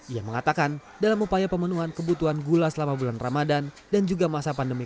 ia mengatakan dalam upaya pemenuhan kebutuhan gula selama bulan ramadhan dan juga masa pandemi covid sembilan belas